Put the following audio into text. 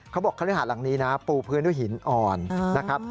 เขาบอกคฤหาสหลังนี้นะปูพื้นด้วยหินอ่อนนะครับ